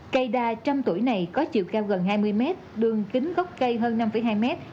cây đa trăm tuổi này có chiều cao gần hai mươi mét đường kính gốc cây hơn năm hai mét